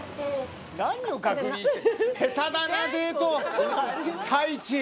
何を確認して。